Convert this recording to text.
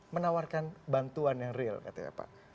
menawarkan bantuan yang real katanya pak